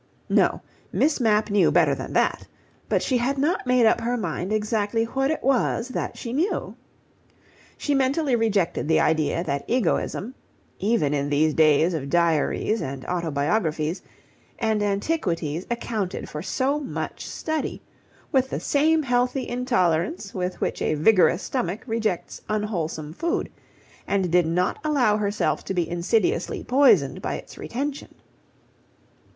No; Miss Mapp knew better than that, but she had not made up her mind exactly what it was that she knew. She mentally rejected the idea that egoism (even in these days of diaries and autobiographies) and antiquities accounted for so much study, with the same healthy intolerance with which a vigorous stomach rejects unwholesome food, and did not allow herself to be insidiously poisoned by its retention.